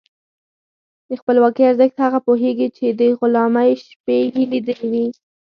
د خپلواکۍ ارزښت هغه پوهېږي چې د غلامۍ شپې یې لیدلي وي.